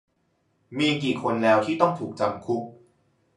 มีกี่คนแล้วที่ต้องถูกจำคุก